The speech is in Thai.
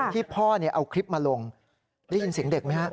ที่พ่อเอาคลิปมาลงได้ยินเสียงเด็กไหมฮะ